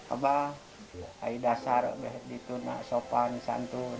apa hari dasar di tunak sopan santun